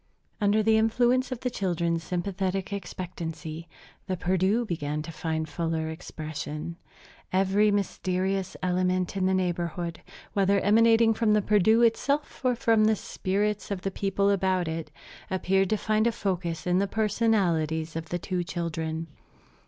Under the influence of the children's sympathetic expectancy, the Perdu began to find fuller expression. Every mysterious element in the neighborhood whether emanating from the Perdu itself or from the spirits of the people about it appeared to find a focus in the personalities of the two children.